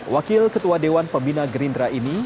wakil ketua dewan pembina gerindra ini